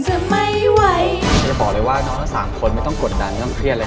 จะบอกเลยว่าน้องน้องสามคนไม่ต้องกดดันไม่ต้องเครียดเลยครับ